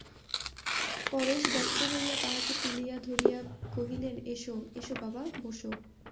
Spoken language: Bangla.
পরেশ ব্যস্ত হইয়া তাহাকে তুলিয়া ধরিয়া কহিলেন, এসো, এসো বাবা, বোসো।